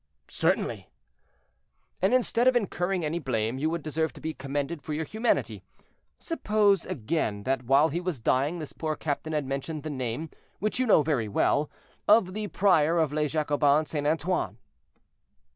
"Certainly." "And, instead of incurring any blame, you would deserve to be commended for your humanity. Suppose, again, that while he was dying this poor captain had mentioned the name, which you know very well, of the prior of Les Jacobins Saint Antoine?"